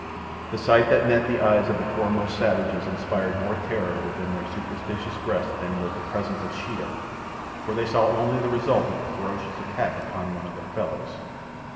The sight that met the eyes of the foremost savages inspired more terror within their superstitious breasts than would the presence of Sheeta, for they saw only the result of a ferocious attack upon one of their fellows.